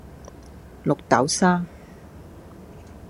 綠豆沙